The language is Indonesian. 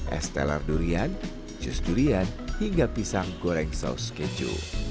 estelar durian jus durian hingga pisang goreng saus keju